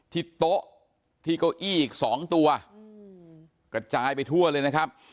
ที่โต๊ะที่เก้าอี้อีกสองตัวกระจายไปทั่วเลยนะครับ